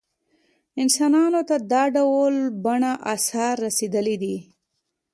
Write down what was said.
انسانانو ته دا ډول بڼه ارثاً رسېدلې ده.